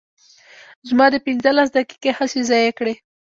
زما دې پنځلس دقیقې هسې ضایع کړې.